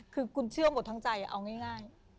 คือคุณเชื่อหมดทั้งใจเอาง่าย